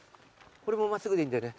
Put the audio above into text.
これも真っすぐでいいんだよね？